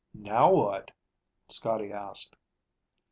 "Now what?" Scotty asked.